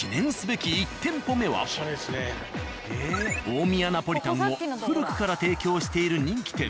大宮ナポリタンを古くから提供している人気店。